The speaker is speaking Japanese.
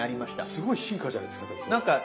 すごい進化じゃないですかそれ。